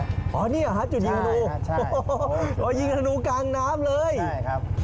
อ๋อเนี่ยฮะจุดยิงธนูโอ้โหยิงธนูกลางน้ำเลยใช่ครับ